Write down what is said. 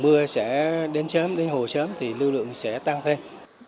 mực nước mưa sẽ đến hồ sớm thì lưu lượng sẽ tăng thêm